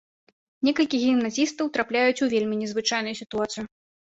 Некалькі гімназістаў трапляюць у вельмі незвычайную сітуацыю.